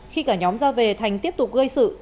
khi cả nhóm ra về thành tiếp tục gây sự